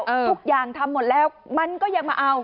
ทุกอย่างทำหมดแล้วมันก็ยังมาเอา